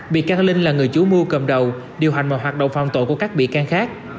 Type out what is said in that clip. bị can linh là người chủ mưu cầm đầu điều hành mọi hoạt động phạm tội của các bị can khác